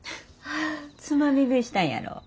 つまみ食いしたんやろ？